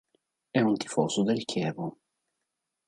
È un tifoso del Chievo.